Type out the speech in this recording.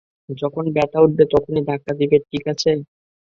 যখন ব্যথা উঠবে তখনি ধাক্কা দিবে, ঠিক আছে?